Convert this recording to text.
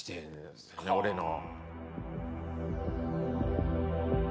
俺の。